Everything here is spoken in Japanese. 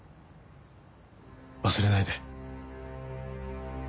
忘れないで。